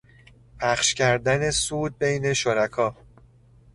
پخش کردن سود بین شرکا